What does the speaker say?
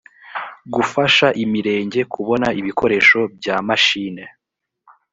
gufasha imirenge kubona ibikoresho bya mashine